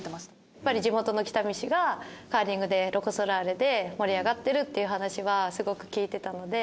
やっぱり地元の北見市がカーリングでロコ・ソラーレで盛り上がってるっていう話はすごく聞いてたので。